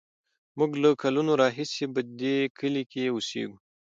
موږ له کلونو راهیسې په دې کلي کې اوسېږو.